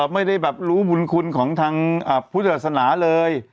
ไม่ได้รู้บุญคุณของทางพุทธศาสนาเลย